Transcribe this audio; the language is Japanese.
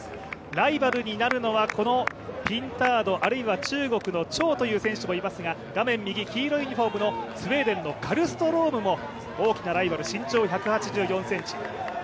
ライバルになるのは、このピンタードあるいは中国の張という選手もいますが、画面右、黄色いユニフォームのスウェーデン・カルストロームも大きなライバル、身長１８４ｃｍ。